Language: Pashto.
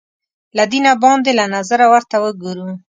له دینه باندې له نظره ورته وګورو